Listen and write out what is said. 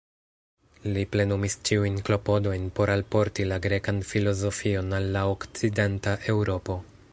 Li plenumis ĉiujn klopodojn por alporti la grekan filozofion al la Okcidenta Eŭropo.